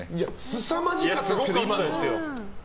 すさまじかったですけど。